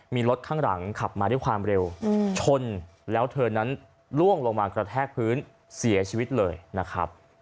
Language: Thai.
มีรถข้างหลังขับมาด้วยความเร็วชนแล้วเธอนั้นล่วงลงมากระแทกพื้นเสียชีวิตเลยนะครับ